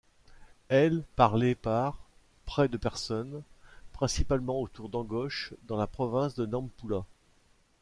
Elle parlée par près de personnes principalement autour d’Angoche dans la province de Nampula.